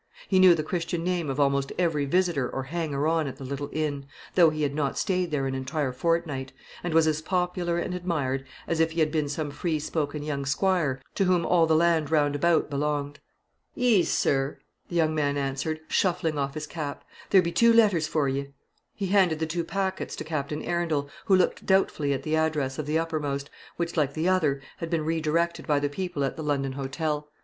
He knew the Christian name of almost every visitor or hanger on at the little inn, though he had not stayed there an entire fortnight, and was as popular and admired as if he had been some free spoken young squire to whom all the land round about belonged. "'Ees, sir," the young man answered, shuffling off his cap; "there be two letters for ye." He handed the two packets to Captain Arundel, who looked doubtfully at the address of the uppermost, which, like the other, had been re directed by the people at the London hotel.